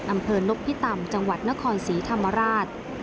อำเภอนพิตำจังหวัดนครศรีธรรมราช